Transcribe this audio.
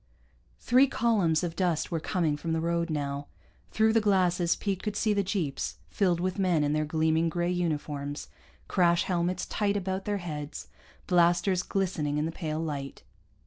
Three columns of dust were coming from the road now. Through the glasses Pete could see the jeeps, filled with men in their gleaming gray uniforms, crash helmets tight about their heads, blasters glistening in the pale light.